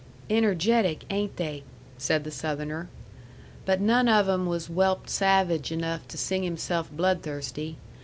"Energetic, ain't they?" said the Southerner. "But none of 'em was whelped savage enough to sing himself bloodthirsty.